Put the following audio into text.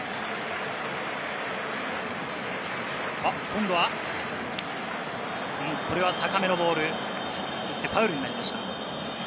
近藤はこれは高めのボール、ファウルになりました。